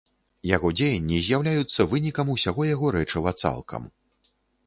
Яго дзеянні з'яўляюцца вынікам усяго яго рэчыва цалкам.